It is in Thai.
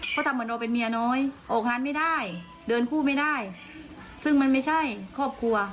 เขาทำเหมือนเราเป็นเมียน้อยออกงานไม่ได้เดินกู้ไม่ได้ซึ่งมันไม่ใช่ครอบครัว